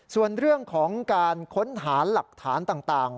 ส่วนเรื่องของการค้นหาหลักฐานต่าง